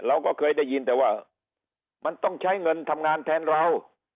เราก็เคยได้ยินแต่ว่ามันต้องใช้เงินทำงานแทนเรา